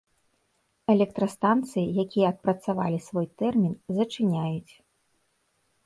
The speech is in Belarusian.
Электрастанцыі, якія адпрацавалі свой тэрмін, зачыняюць.